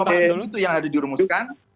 tiga komponen itu yang ada diuruskan